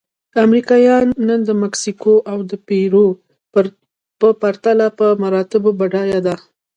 امریکا نن د مکسیکو او پیرو په پرتله په مراتبو بډایه ده.